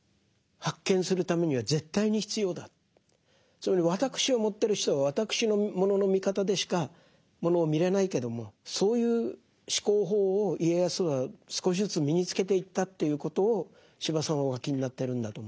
そういうふうに私を持ってる人は私のものの見方でしかものを見れないけどもそういう思考法を家康は少しずつ身につけていったということを司馬さんはお書きになってるんだと思います。